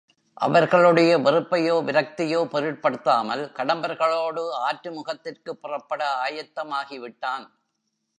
அவர்களுடைய வெறுப்பையோ, விரக்தியையோ பொருட்படுத்தாமல் கடம்பர்களோடு ஆற்று முகத்திற்குப் புறப்பட ஆயத்தமாகிவிட்டான்.